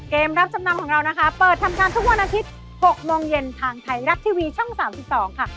รับจำนำของเรานะคะเปิดทำการทุกวันอาทิตย์๖โมงเย็นทางไทยรัฐทีวีช่อง๓๒ค่ะ